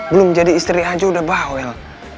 belum jadi istri aja udah bawel